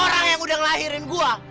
orang yang udah ngelahirin gue